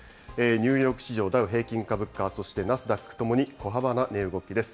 ニューヨーク市場ダウ平均株価、そしてナスダックともに小幅な値動きです。